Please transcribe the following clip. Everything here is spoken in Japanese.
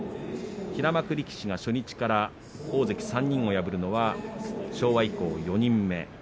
平幕力士が初日から大関３人を破るのは昭和以降４人目。